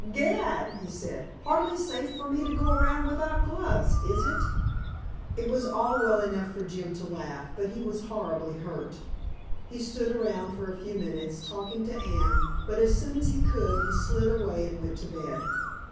"Gad!" he said. "Hardly safe for me to go around without gloves, is it?" It was all well enough for Jim to laugh, but he was horribly hurt. He stood around for a few minutes, talking to Anne, but as soon as he could he slid away and went to bed.